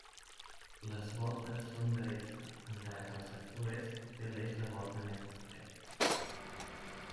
Les voltes són d'aresta, encara que al sector est té l'eix de volta més estret.